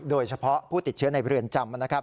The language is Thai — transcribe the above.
โดยเฉพาะผู้ติดเชื้อในเรือนจำนะครับ